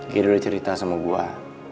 kiri udah cerita sama gue